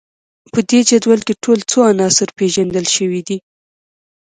په دې جدول کې ټول څو عناصر پیژندل شوي دي